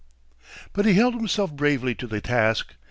But he held himself bravely to the task.